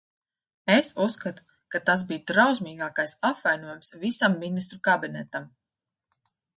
Es uzskatu, ka tas bija drausmīgākais apvainojums visam Ministru kabinetam.